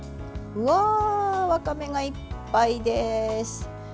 わかめがいっぱいです。